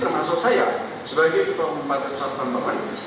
eh termasuk saya sebagai partai pesat pemerintah